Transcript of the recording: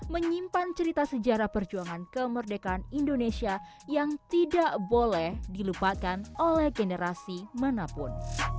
menyimpan cerita sejarah perjuangan kemerdekaan indonesia yang tidak boleh dilupakan oleh generasi manapun